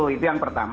itu yang pertama